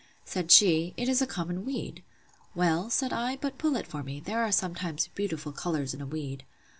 Said she, It is a common weed. Well, said I, but pull it for me; there are sometimes beautiful colours in a weed.